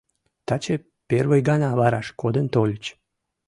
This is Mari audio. — Таче первый гана вараш кодын тольыч.